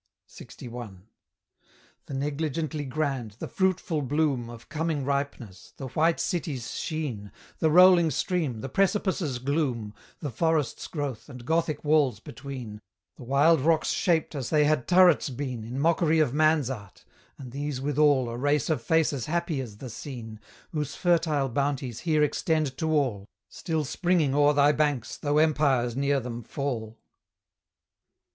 LXI. The negligently grand, the fruitful bloom Of coming ripeness, the white city's sheen, The rolling stream, the precipice's gloom, The forest's growth, and Gothic walls between, The wild rocks shaped as they had turrets been In mockery of man's art; and these withal A race of faces happy as the scene, Whose fertile bounties here extend to all, Still springing o'er thy banks, though empires near them fall.